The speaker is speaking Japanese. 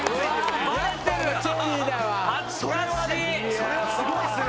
それはすごいする！